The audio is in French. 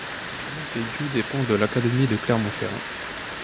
Montaigut dépend de l'académie de Clermont-Ferrand.